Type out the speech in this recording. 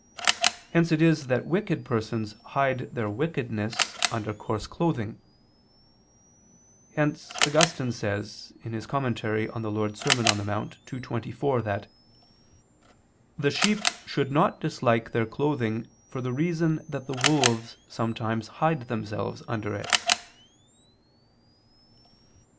Hence it is that wicked persons hide their wickedness under coarse clothing. Hence Augustine says (De Serm. Dom. in Monte ii, 24) that "the sheep should not dislike their clothing for the reason that the wolves sometimes hide themselves under it."